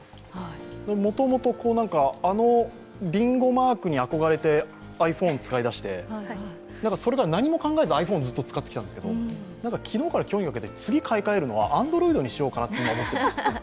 もともと、りんごマークに憧れてｉＰｈｏｎｅを使い出してそれが何も考えずにｉＰｈｏｎｅずっと使ってきたんですけど昨日から今日にかけて、次買い替えるのはＡｎｄｒｏｉｄにしようかなと今、思ってる。